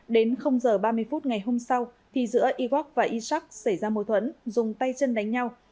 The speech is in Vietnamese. đến h ba mươi phút ngày hôm sau thì giữa iwak và isak xảy ra mâu thuẫn dùng tay chân đánh nhau